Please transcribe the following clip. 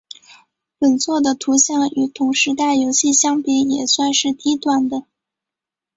本作的图像与同时代游戏相比也算是低端的。